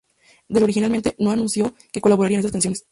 Del originalmente no anunció que colaboraría en esas canciones.